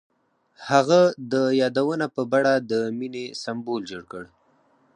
هغه د یادونه په بڼه د مینې سمبول جوړ کړ.